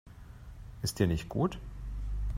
Ist dir nicht gut?